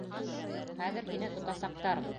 Хәҙер һине тотасаҡтар!